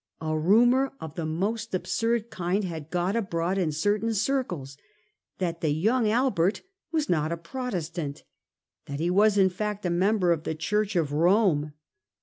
A rumour of the most absurd kind had got abroad in certain circles that the young Albert was not a Pro testant — that he was in fact a member of the Church of Rome.